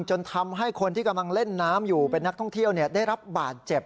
จนทำให้คนที่กำลังเล่นน้ำอยู่เป็นนักท่องเที่ยวได้รับบาดเจ็บ